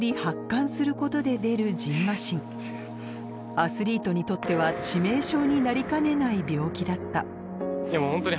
アスリートにとっては致命傷になりかねない病気だったホントに。